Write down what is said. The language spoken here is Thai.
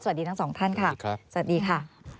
สวัสดีทั้งสองท่านค่ะ